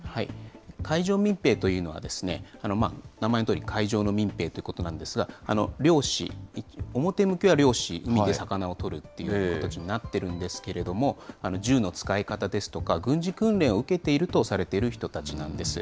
海上民兵というのは、名前のとおり海上の民兵ということなんですが、漁師、表向きは漁師、海で魚を取るって形になってるんですけれども、銃の使い方ですとか、軍事訓練を受けているとされている人たちなんです。